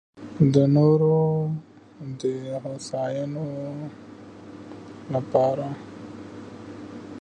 د نورو دې هوساينۍ لپاره